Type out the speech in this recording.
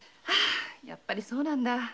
やっぱりそうなんだ。